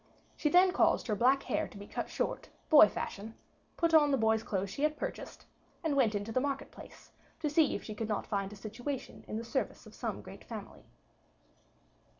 She then caused her black hair to be cut short, boy fashion, put on the boy's clothes she had purchased, and went into the market place to see if she could not find a situation in the service of some great family.